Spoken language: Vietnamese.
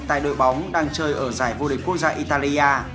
tại đội bóng đang chơi ở giải vô địch quốc gia italia